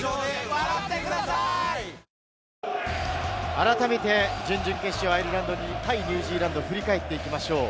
改めて、準々決勝、アイルランド対ニュージーランドを振り返っていきましょう。